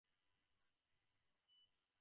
কাজেই পাশের এ ভিটাও জঙ্গলাবৃত হইয়া পড়িয়া আছে।